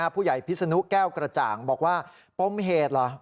ผู้ใหญ่พิษนุแก้วกระจ่างบอกว่าป้อมเหตุหรอ